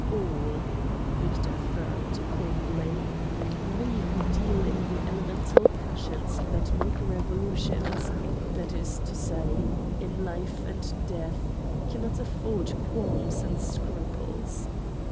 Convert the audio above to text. "All," Victor affirmed, coldly. "We who deal in the elemental passions that make revolutions, that is to say, in Life and Death, cannot afford qualms and scruples.